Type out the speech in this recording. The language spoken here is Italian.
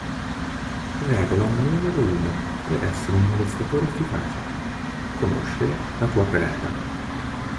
Regola numero uno per essere un molestatore efficace: conoscere la tua preda.